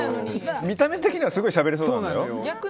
見た目的にはしゃべれそうなのに。